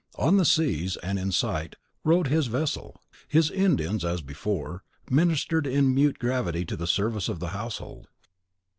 On the seas, and in sight, rode his vessel. His Indians, as before, ministered in mute gravity to the service of the household.